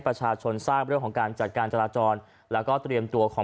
ประชาชนทราบเรื่องของการจัดการจราจรแล้วก็เตรียมตัวขอ